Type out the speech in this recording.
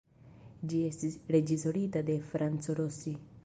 Ĝi estis reĝisorita de Franco Rossi.